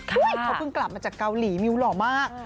ขอพึ่งกลับมาจากเกาหลีมีวหรอมาก